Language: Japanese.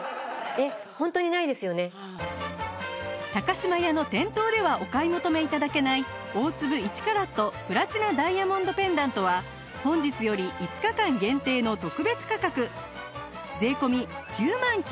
島屋の店頭ではお買い求め頂けない大粒１カラットプラチナダイヤモンドペンダントは本日より５日間限定の特別価格税込９万９８００円